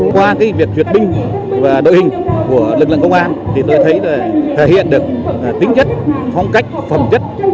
qua việc duyệt binh và đội hình của lực lượng công an thì tôi thấy là thể hiện được tính chất phong cách phẩm chất